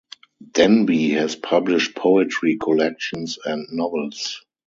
Denby has published poetry collections and novels.